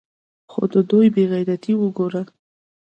خو د دوى بې غيرتي اوګوره.